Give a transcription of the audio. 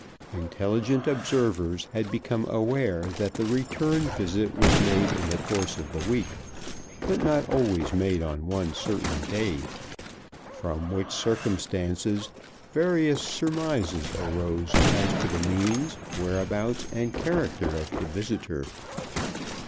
Intelligent observers had become aware that the return visit was made in the course of the week, but not always made on one certain day; from which circumstances various surmises arose as to the means, whereabouts, and character of the visitor.